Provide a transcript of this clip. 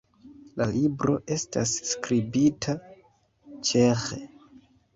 La libro estas skribita ĉeĥe.